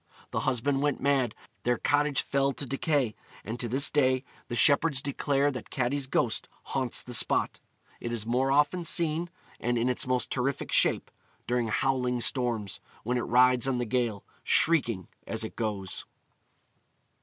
The husband went mad; their cottage fell to decay; and to this day the shepherds declare that Catti's ghost haunts the spot. It is most often seen, and in its most terrific shape, during howling storms, when it rides on the gale, shrieking as it goes.